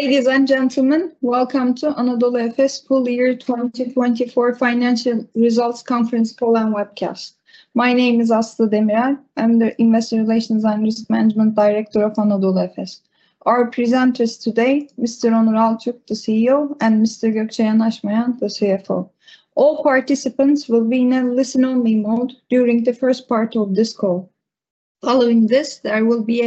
Ladies and gentlemen, welcome to Anadolu Efes Full Year 2024 Financial Results Conference Call webcast. My name is Aslı Demirel. I'm the Investor Relations and Risk Management Director of Anadolu Efes. Our presenters today: Mr. Onur Altürk, the CEO, and Mr. Gökçe Yanaşmayan, the CFO. All participants will be in a listen-only mode during the first part of this call. Following this, there will be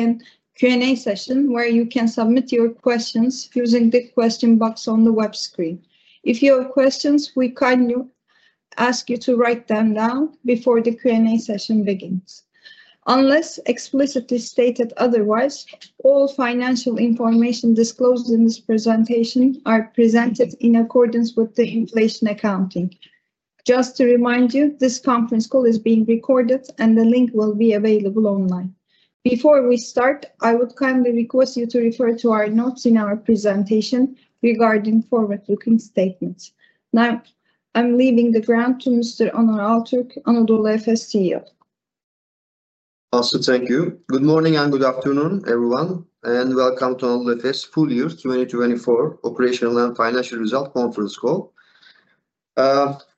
a Q&A session where you can submit your questions using the question box on the web screen. If you have questions, we kindly ask you to write them down before the Q&A session begins. Unless explicitly stated otherwise, all financial information disclosed in this presentation are presented in accordance with the Inflation Accounting. Just to remind you, this conference call is being recorded, and the link will be available online. Before we start, I would kindly request you to refer to our notes in our presentation regarding forward-looking statements. Now, I'm leaving the ground to Mr. Onur Altürk, Anadolu Efes CEO. Also, thank you. Good morning and good afternoon, everyone, and welcome to Anadolu Efes Full Year 2024 Operational and Financial Results Conference Call.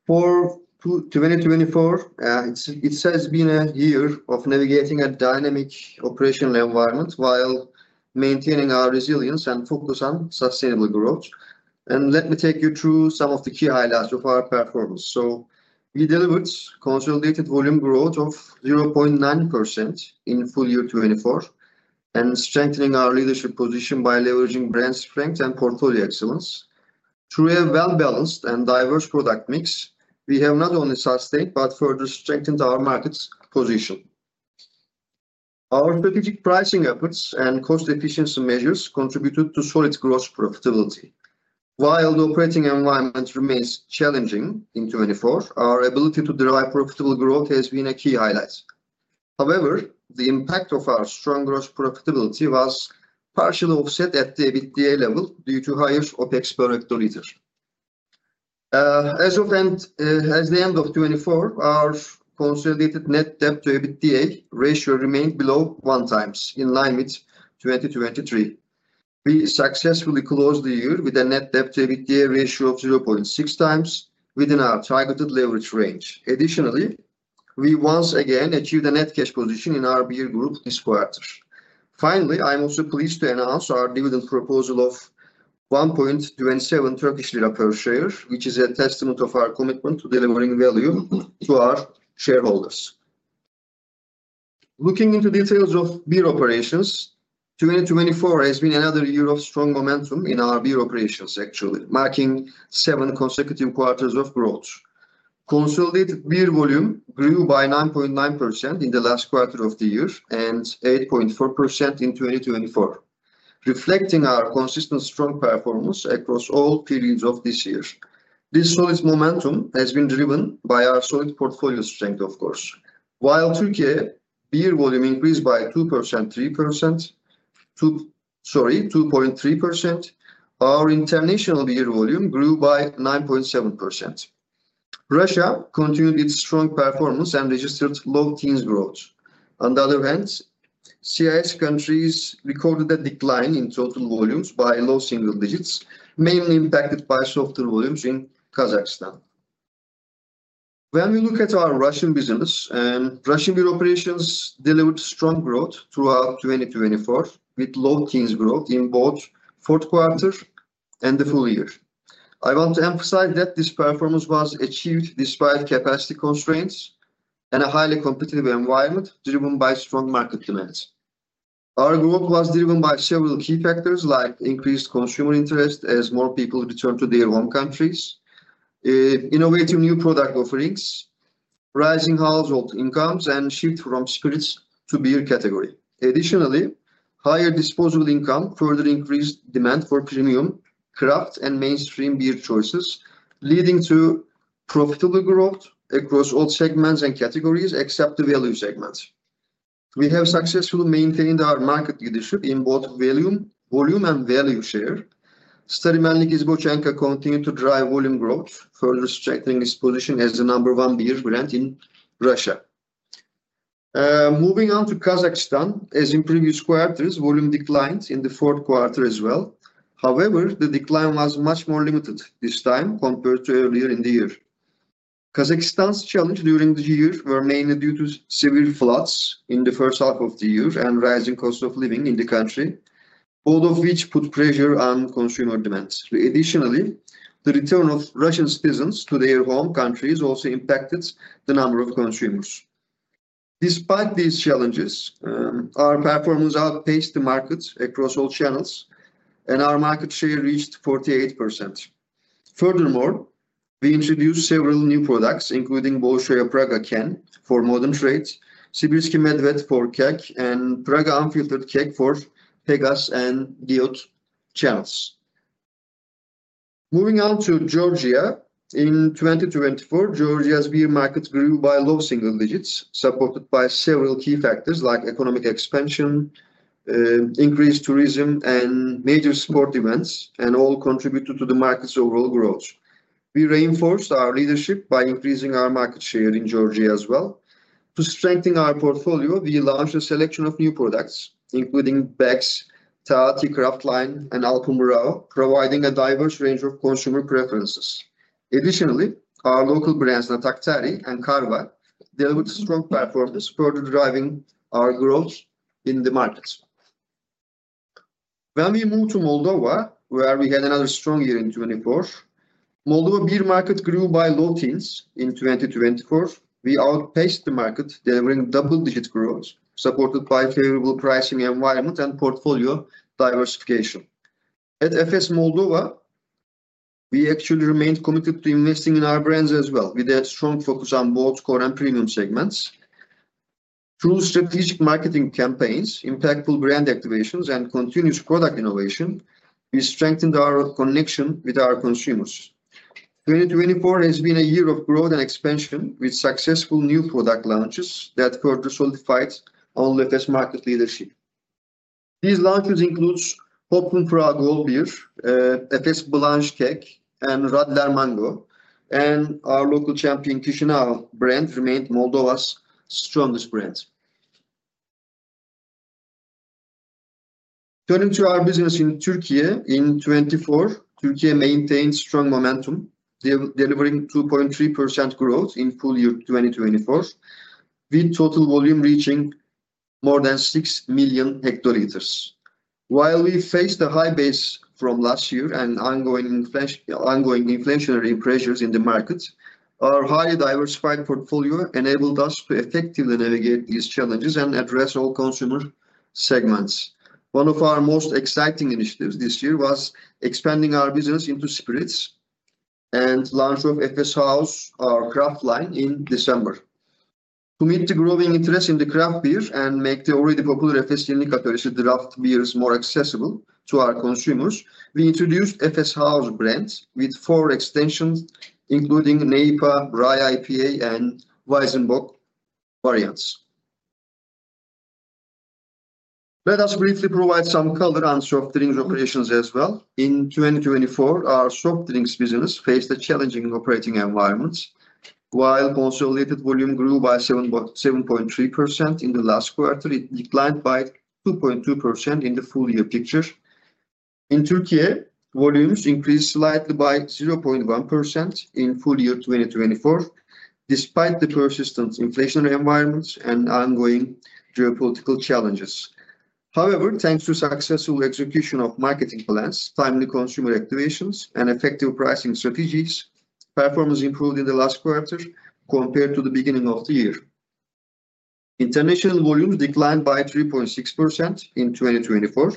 For 2024, it has been a year of navigating a dynamic operational environment while maintaining our resilience and focus on sustainable growth, and let me take you through some of the key highlights of our performance, so we delivered consolidated volume growth of 0.9% in full year 2024 and strengthening our leadership position by leveraging brand strength and portfolio excellence. Through a well-balanced and diverse product mix, we have not only sustained but further strengthened our market position. Our strategic pricing efforts and cost efficiency measures contributed to solid gross profitability. While the operating environment remains challenging in 2024, our ability to derive profitable growth has been a key highlight. However, the impact of our strong gross profitability was partially offset at the EBITDA level due to higher OPEX per hectoliter. As of the end of 2024, our consolidated net debt to EBITDA ratio remained below one times in line with 2023. We successfully closed the year with a net debt to EBITDA ratio of 0.6 times within our targeted leverage range. Additionally, we once again achieved a net cash position in our beer group this quarter. Finally, I'm also pleased to announce our dividend proposal of 1.27 Turkish lira per share, which is a testament to our commitment to delivering value to our shareholders. Looking into details of beer operations, 2024 has been another year of strong momentum in our beer operations, actually marking seven consecutive quarters of growth. Consolidated beer volume grew by 9.9% in the last quarter of the year and 8.4% in 2024, reflecting our consistent strong performance across all periods of this year. This solid momentum has been driven by our solid portfolio strength, of course. While Türkiye beer volume increased by 2%, sorry, 2.3%, our international beer volume grew by 9.7%. Russia continued its strong performance and registered low teens growth. On the other hand, CIS countries recorded a decline in total volumes by low single digits, mainly impacted by softer volumes in Kazakhstan. When we look at our Russian business, Russian beer operations delivered strong growth throughout 2024 with low teens growth in both fourth quarter and the full year. I want to emphasize that this performance was achieved despite capacity constraints and a highly competitive environment driven by strong market demands. Our growth was driven by several key factors like increased consumer interest as more people returned to their home countries, innovative new product offerings, rising household incomes, and shift from spirits to beer category. Additionally, higher disposable income further increased demand for premium craft and mainstream beer choices, leading to profitable growth across all segments and categories except the value segment. We have successfully maintained our market leadership in both volume and value share. Stary Melnik Iz Bochonka continued to drive volume growth, further strengthening its position as the number one beer brand in Russia. Moving on to Kazakhstan, as in previous quarters, volume declined in the fourth quarter as well. However, the decline was much more limited this time compared to earlier in the year. Kazakhstan's challenges during the year were mainly due to severe floods in the first half of the year and rising cost of living in the country, all of which put pressure on consumer demand. Additionally, the return of Russian citizens to their home countries also impacted the number of consumers. Despite these challenges, our performance outpaced the market across all channels, and our market share reached 48%. Furthermore, we introduced several new products, including Bolshoy Praga Can for modern trade, Sibirsky Medved for KFC, and Praga Unfiltered Can for Pegaz and Gulliver channels. Moving on to Georgia, in 2024, Georgia's beer market grew by low single digits, supported by several key factors like economic expansion, increased tourism, and major sports events, and all contributed to the market's overall growth. We reinforced our leadership by increasing our market share in Georgia as well. To strengthen our portfolio, we launched a selection of new products, including Beck's, Taati Craft Line, and Alpo Morawo, providing a diverse range of consumer preferences. Additionally, our local brands Natakhtari and Karva delivered strong performance, further driving our growth in the market. When we moved to Moldova, where we had another strong year in 2024, Moldova beer market grew by low teens in 2024. We outpaced the market, delivering double-digit growth, supported by a favorable pricing environment and portfolio diversification. At Efes Moldova, we actually remained committed to investing in our brands as well. We did a strong focus on both core and premium segments. Through strategic marketing campaigns, impactful brand activations, and continuous product innovation, we strengthened our connection with our consumers. 2024 has been a year of growth and expansion with successful new product launches that further solidified Anadolu Efes market leadership. These launches include Hoplum Praga Old Beer, Efes Blanche Cake, and Radler Mango, and our local champion Chisinau brand remained Moldova's strongest brand. Turning to our business in Türkiye in 2024, Türkiye maintained strong momentum, delivering 2.3% growth in full year 2024, with total volume reaching more than six million hectoliters. While we faced a high base from last year and ongoing inflationary pressures in the market, our highly diversified portfolio enabled us to effectively navigate these challenges and address all consumer segments. One of our most exciting initiatives this year was expanding our business into spirits and the launch of Efes House, our craft line, in December. To meet the growing interest in the craft beer and make the already popular Efes Bira At draft beers more accessible to our consumers, we introduced Efes House brands with four extensions, including Napa, Rye P.A, and Weizenbock variants. Let us briefly provide some color on soft drinks operations as well. In 2024, our soft drinks business faced a challenging operating environment. While consolidated volume grew by 7.3% in the last quarter, it declined by 2.2% in the full year picture. In Türkiye, volumes increased slightly by 0.1% in full year 2024, despite the persistent inflationary environment and ongoing geopolitical challenges. However, thanks to successful execution of marketing plans, timely consumer activations, and effective pricing strategies, performance improved in the last quarter compared to the beginning of the year. International volumes declined by 3.6% in 2024,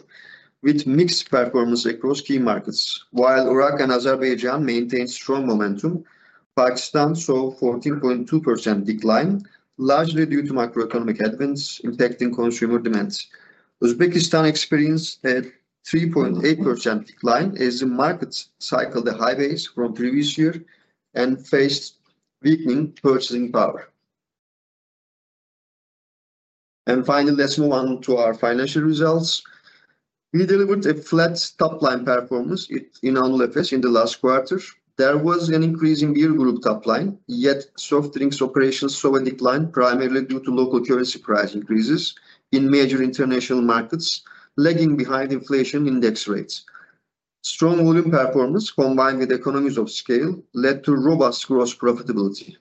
with mixed performance across key markets. While Iraq and Azerbaijan maintained strong momentum, Pakistan saw a 14.2% decline, largely due to macroeconomic events impacting consumer demand. Uzbekistan experienced a 3.8% decline as the market cycled the high base from previous year and faced weakening purchasing power. Finally, let's move on to our financial results. We delivered a flat top-line performance in Anadolu Efes in the last quarter. There was an increase in beer group top-line, yet soft drinks operations saw a decline primarily due to local currency price increases in major international markets, lagging behind inflation index rates. Strong volume performance, combined with economies of scale, led to robust gross profitability.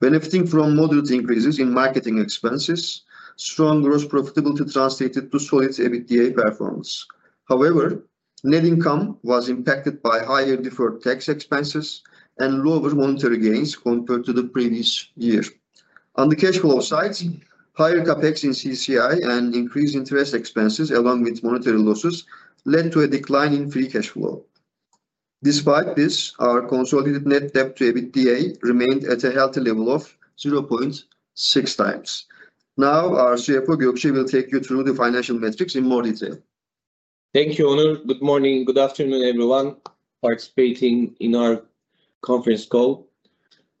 Benefiting from moderate increases in marketing expenses, strong gross profitability translated to solid EBITDA performance. However, net income was impacted by higher deferred tax expenses and lower monetary gains compared to the previous year. On the cash flow side, higher CAPEX in CCI and increased interest expenses, along with monetary losses, led to a decline in Free Cash Flow. Despite this, our consolidated Net Debt to EBITDA remained at a healthy level of 0.6 times. Now, our CFO, Gökçe, will take you through the financial metrics in more detail. Thank you, Onur. Good morning. Good afternoon, everyone participating in our conference call.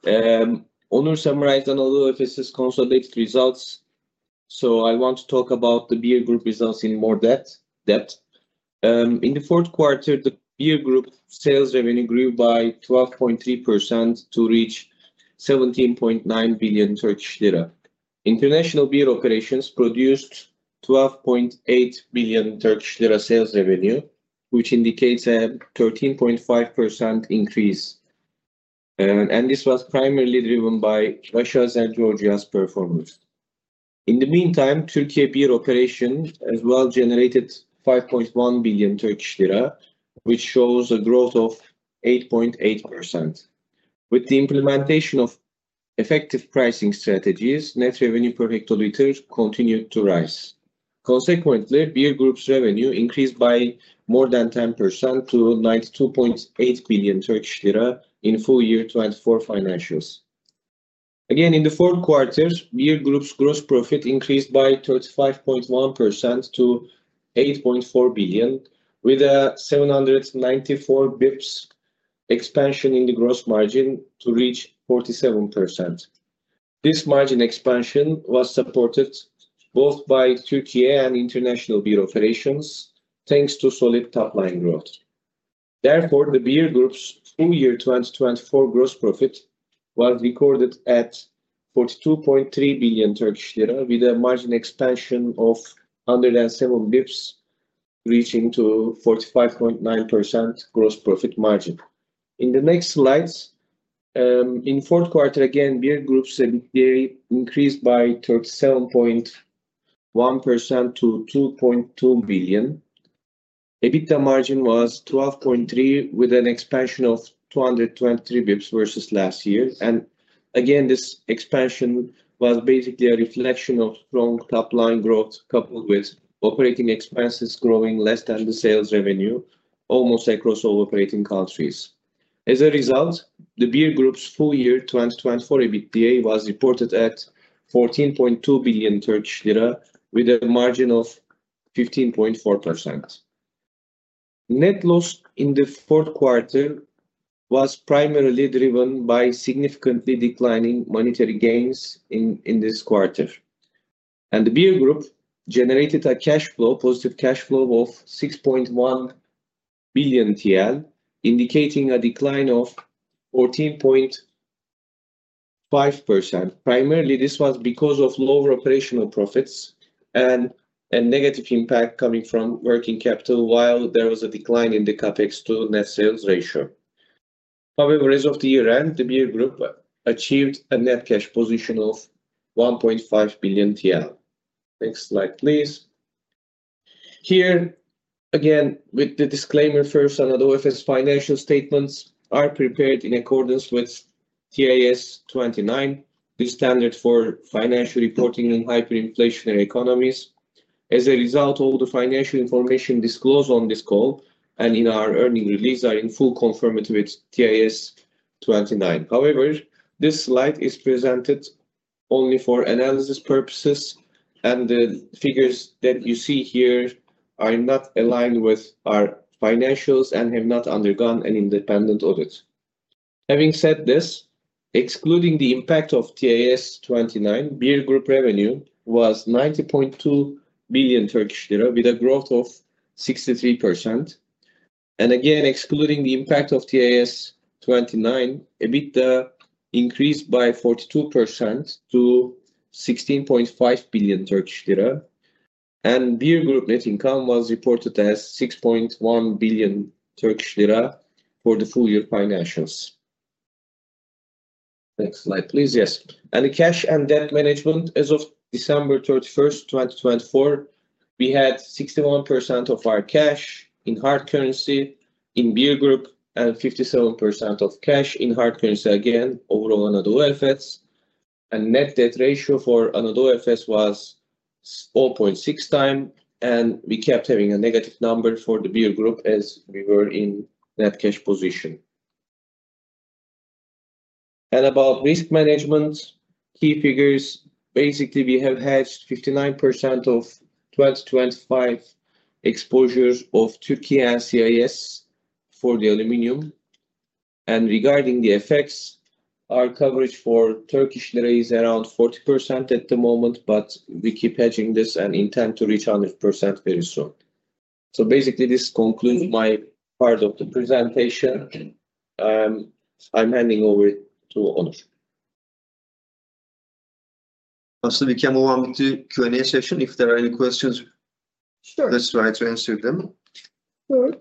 Onur summarized Anadolu Efes's consolidated results. So I want to talk about the beer group results in more detail. In the fourth quarter, the beer group sales revenue grew by 12.3% to reach 17.9 billion Turkish lira. International beer operations produced 12.8 billion Turkish lira sales revenue, which indicates a 13.5% increase. And this was primarily driven by Russia's and Georgia's performance. In the meantime, Türkiye beer operation as well generated 5.1 billion Turkish lira, which shows a growth of 8.8%. With the implementation of effective pricing strategies, net revenue per hectoliter continued to rise. Consequently, beer group's revenue increased by more than 10% to 92.8 billion Turkish lira in full year 2024 financials. Again, in the fourth quarter, beer group's gross profit increased by 35.1% to 8.4 billion, with a 794 basis points expansion in the gross margin to reach 47%. This margin expansion was supported both by Türkiye and international beer operations, thanks to solid top-line growth. Therefore, the beer group's full year 2024 gross profit was recorded at 42.3 billion Turkish lira, with a margin expansion of under than 7 basis points, reaching to 45.9% gross profit margin. In the next slides, in fourth quarter, again, beer group's EBITDA increased by 37.1% to 2.2 billion. EBITDA margin was 12.3%, with an expansion of 223 basis points versus last year. And again, this expansion was basically a reflection of strong top-line growth, coupled with operating expenses growing less than the sales revenue, almost across all operating countries. As a result, the beer group's full year 2024 EBITDA was reported at 14.2 billion Turkish lira, with a margin of 15.4%. Net loss in the fourth quarter was primarily driven by significantly declining monetary gains in this quarter. And the beer group generated a cash flow, positive cash flow of 6.1 billion TL, indicating a decline of 14.5%. Primarily, this was because of lower operational profits and a negative impact coming from working capital, while there was a decline in the CAPEX to net sales ratio. However, as of the year end, the beer group achieved a net cash position of 1.5 billion TL. Next slide, please. Here, again, with the disclaimer first, Anadolu Efes financial statements are prepared in accordance with TAS 29, the standard for financial reporting in hyperinflationary economies. As a result, all the financial information disclosed on this call and in our earnings release are in full confirmation with TAS 29. However, this slide is presented only for analysis purposes, and the figures that you see here are not aligned with our financials and have not undergone an independent audit. Having said this, excluding the impact of TAS 29, beer group revenue was 90.2 billion Turkish lira, with a growth of 63%. Again, excluding the impact of TAS 29, EBITDA increased by 42% to 16.5 billion Turkish lira. Beer group net income was reported as 6.1 billion Turkish lira for the full year financials. Next slide, please. Yes. The cash and debt management, as of December 31st, 2024, we had 61% of our cash in hard currency in beer group and 57% of cash in hard currency again, overall Anadolu Efes. Net debt ratio for Anadolu Efes was 0.6 times, and we kept having a negative number for the beer group as we were in net cash position. About risk management key figures, basically we have hedged 59% of 2025 exposures of Türkiye and CIS for the aluminum. Regarding the FX, our coverage for Turkish lira is around 40% at the moment, but we keep hedging this and intend to reach 100% very soon. Basically, this concludes my part of the presentation. I'm handing over to Onur. Aslı, we can move on to Q&A session. If there are any questions, let's try to answer them. Sure.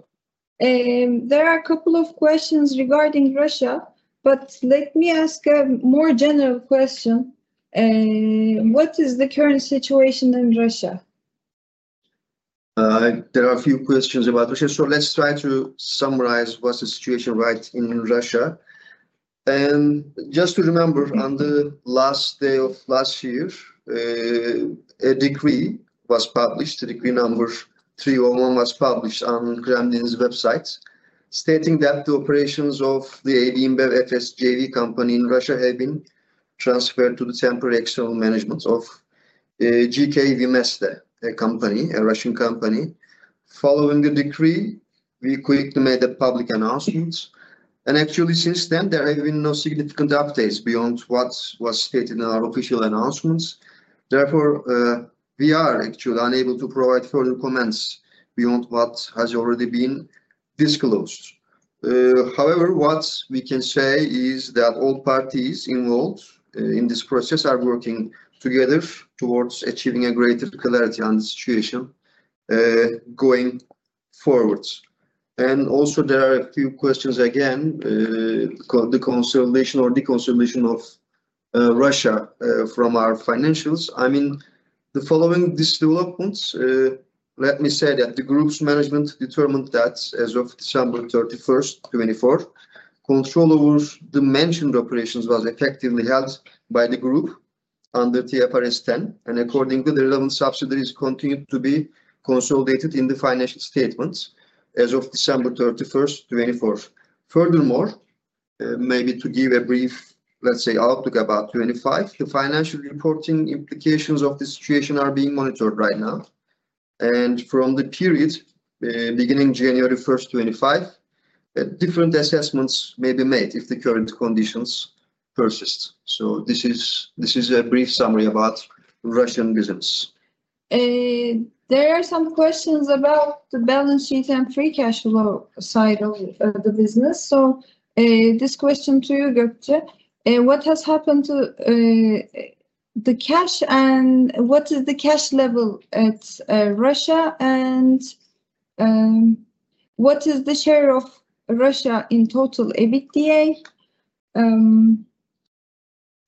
There are a couple of questions regarding Russia, but let me ask a more general question. What is the current situation in Russia? There are a few questions about Russia. So let's try to summarize what's the situation right in Russia. And just to remember, on the last day of last year, a decree was published. The decree number 301 was published on Kremlin's website, stating that the operations of the AB InBev Efes JV company in Russia have been transferred to the temporary external management of GK Vmeste, a Russian company. Following the decree, we quickly made a public announcement. And actually, since then, there have been no significant updates beyond what was stated in our official announcements. Therefore, we are actually unable to provide further comments beyond what has already been disclosed. However, what we can say is that all parties involved in this process are working together towards achieving a greater clarity on the situation going forward. And also, there are a few questions again, the consolidation or deconsolidation of Russia from our financials. I mean, the following developments. Let me say that the group's management determined that as of December 31st, 2024, control over the mentioned operations was effectively held by the group under TFRS 10. And accordingly, the relevant subsidiaries continued to be consolidated in the financial statements as of December 31st, 2024. Furthermore, maybe to give a brief, let's say, outlook about 2025, the financial reporting implications of the situation are being monitored right now. And from the period beginning January 1st, 2025, different assessments may be made if the current conditions persist. So this is a brief summary about Russian business. There are some questions about the balance sheet and free cash flow side of the business. So this question to you, Gökçe. What has happened to the cash and what is the cash level at Russia and what is the share of Russia in total EBITDA?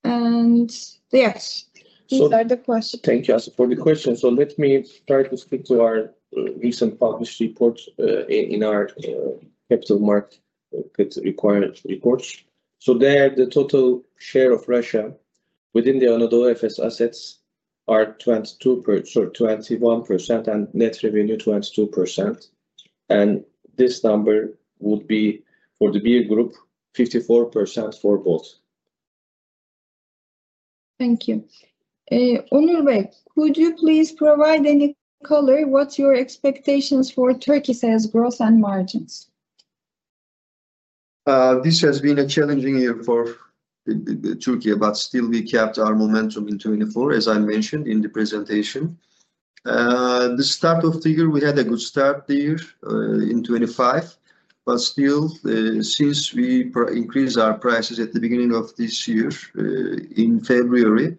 And yes, these are the questions. Thank you, Aslı, for the question. So let me try to stick to our recent published report in our capital market requirement reports. So there, the total share of Russia within the Anadolu Efes assets are 22%, sorry, 21%, and net revenue 22%. And this number would be for the beer group, 54% for both. Thank you. Onur Bey, could you please provide any color? What are your expectations for Türkiye's gross and margins? This has been a challenging year for Türkiye, but still, we kept our momentum in 2024, as I mentioned in the presentation. The start of the year, we had a good start there in 2025, but still, since we increased our prices at the beginning of this year in February,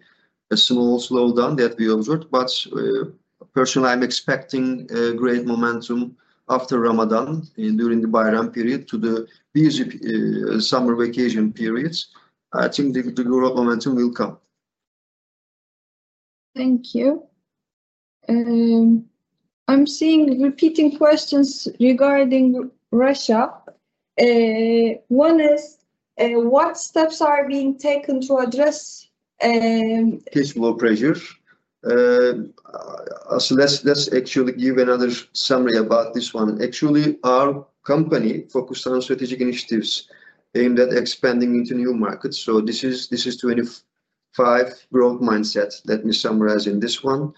a small slowdown that we observed, but personally, I'm expecting great momentum after Ramadan and during the Bayram period to the summer vacation periods. I think the growth momentum will come. Thank you. I'm seeing repeating questions regarding Russia. One is, what steps are being taken to address? Cash flow pressure. Aslı, let's actually give another summary about this one. Actually, our company focused on strategic initiatives aimed at expanding into new markets, so this is 2025 growth mindset. Let me summarize in this one.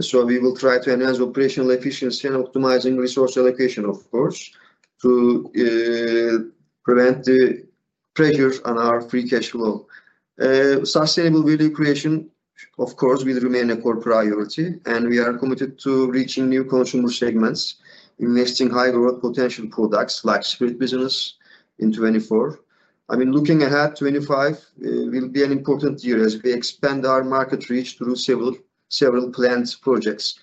So we will try to enhance operational efficiency and optimize resource allocation, of course, to prevent the pressures on our free cash flow. Sustainable value creation, of course, will remain a core priority, and we are committed to reaching new consumer segments, investing in high-growth potential products like spirits business in 2024. I mean, looking ahead, 2025 will be an important year as we expand our market reach through several planned projects,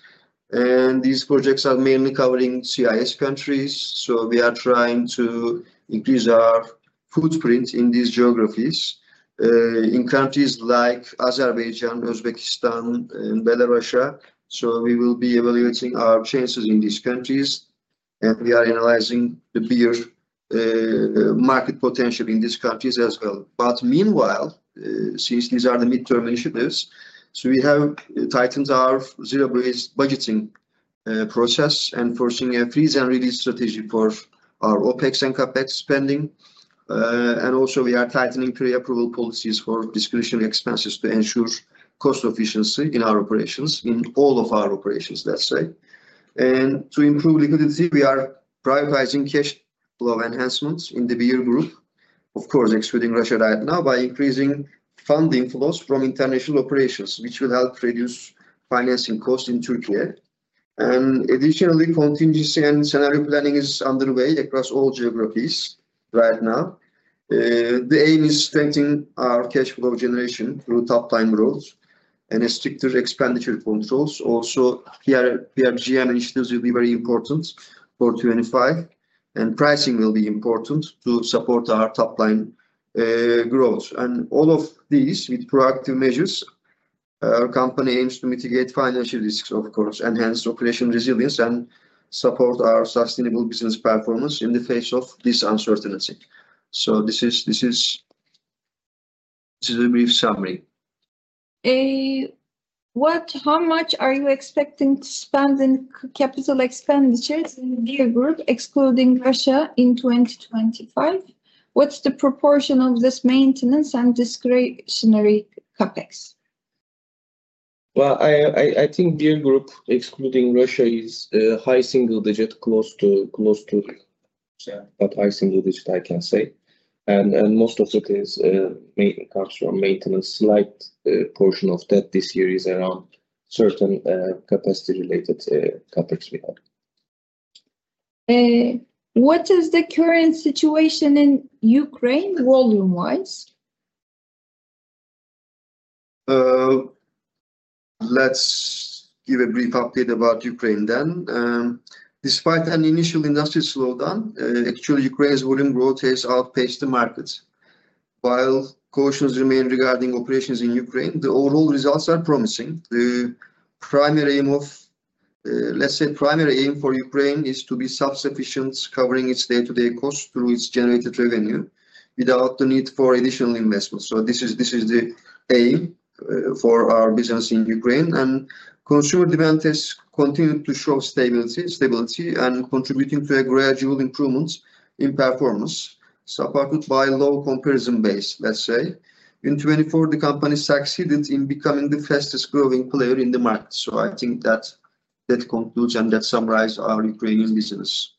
and these projects are mainly covering CIS countries, so we are trying to increase our footprint in these geographies in countries like Azerbaijan, Uzbekistan, and Belarus. So we will be evaluating our chances in these countries, and we are analyzing the beer market potential in these countries as well. But meanwhile, since these are the midterm initiatives, so we have tightened our zero-based budgeting process and forcing a freeze and release strategy for our OPEX and CAPEX spending. And also, we are tightening pre-approval policies for discretionary expenses to ensure cost efficiency in our operations, in all of our operations, let's say. And to improve liquidity, we are prioritizing cash flow enhancements in the beer group, of course, excluding Russia right now, by increasing funding flows from international operations, which will help reduce financing costs in Türkiye. And additionally, contingency and scenario planning is underway across all geographies right now. The aim is strengthening our cash flow generation through top-line growth and stricter expenditure controls. Also, PRGM initiatives will be very important for 2025, and pricing will be important to support our top-line growth. And all of these, with proactive measures, our company aims to mitigate financial risks, of course, enhance operation resilience, and support our sustainable business performance in the face of this uncertainty. So this is a brief summary. How much are you expecting to spend in capital expenditures in beer group, excluding Russia in 2025? What's the proportion of this maintenance and discretionary CAPEX? I think beer group, excluding Russia, is a high single-digit close to, but high single-digit, I can say. Most of it comes from maintenance. A slight portion of that this year is around certain capacity-related CAPEX we have. What is the current situation in Ukraine volume-wise? Let's give a brief update about Ukraine then. Despite an initial industry slowdown, actually, Ukraine's volume growth has outpaced the market. While cautions remain regarding operations in Ukraine, the overall results are promising. The primary aim for Ukraine is to be self-sufficient, covering its day-to-day costs through its generated revenue without the need for additional investments. So this is the aim for our business in Ukraine. And consumer demand has continued to show stability and contributing to a gradual improvement in performance, supported by low comparison base, let's say. In 2024, the company succeeded in becoming the fastest-growing player in the market. So I think that concludes and that summarizes our Ukrainian business.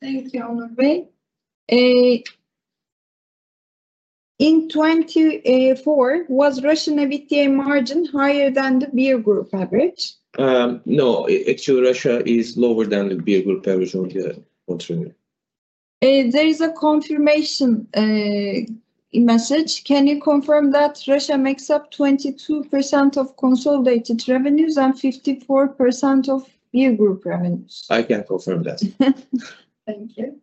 Thank you, Onur Bey. In 2024, was Russia's EBITDA margin higher than the beer group average? No, actually, Russia is lower than the beer group average on the contrary. There is a confirmation message. Can you confirm that Russia makes up 22% of consolidated revenues and 54% of beer group revenues? I can confirm that. Thank you.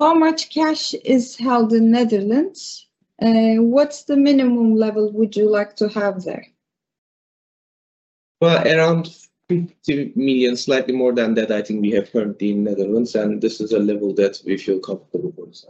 How much cash is held in the Netherlands? What's the minimum level would you like to have there? Around 50 million, slightly more than that, I think we have currently in the Netherlands, and this is a level that we feel comfortable with.